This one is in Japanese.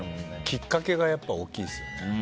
きっかけが大きいですよね。